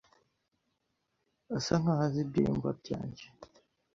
Asa nkaho azi ibyiyumvo byanjye.